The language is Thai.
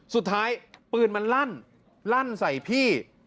สุดท้ายปืนมันลั่นลั่นใส่พี่